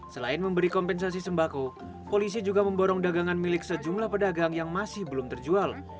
selain memberi kompensasi sembako polisi juga memborong dagangan milik sejumlah pedagang yang masih belum terjual